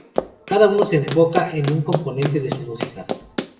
Cada uno se enfoca en un componente de su música.